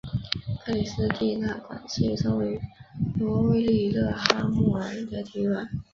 克里斯蒂娜馆是一座位于挪威利勒哈默尔的体育馆。